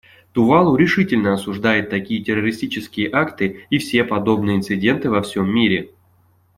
Тувалу решительно осуждает такие террористические акты и все подобные инциденты во всем мире.